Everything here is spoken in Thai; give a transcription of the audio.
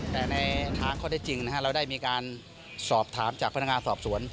แต่ในทางข้อได้จริงเราได้มีการสอบถามจากพนักงานสอบสวน